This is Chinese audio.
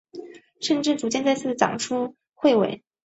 甚至逐渐再次长出彗尾。